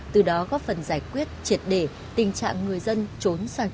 từ đó góp phần giải quyết triệt để tình trạng người dân trốn sang trung quốc